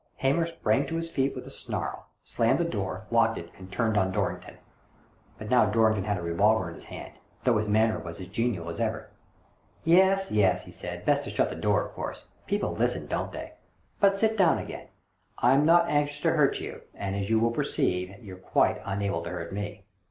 Hamer sprang to his feet with a snarl, slammed the door, locked it, and turned on Dorrington. But now Dorrington had a re volver in his hand, though his manner was as genial as ever. " Yes, yes," he said ;best to shut the door, of course. People listen, don't they '? But sit down again. I'm not anxious to hurt you, and, as you will perceive, you're quite unable to hurt me.